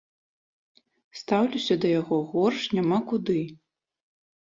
Стаўлюся да яго горш няма куды.